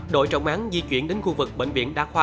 đội trọng án di chuyển đến khu vực bệnh viện đa khoa